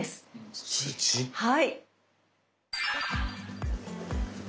はい。